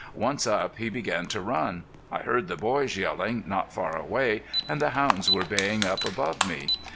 Once up he began to run. I heard the boys yelling not far away and the hounds were baying up above me.